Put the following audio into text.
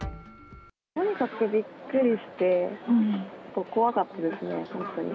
とにかくびっくりして、怖かったですね、本当に。